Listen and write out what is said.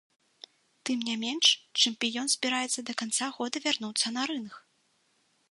Тым не менш, чэмпіён збіраецца да канца года вярнуцца на рынг.